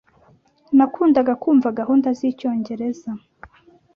Nakundaga kumva gahunda zicyongereza.